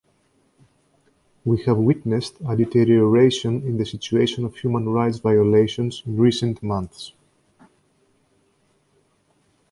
We have witnessed a deterioration in the situation of human rights violations in recent months.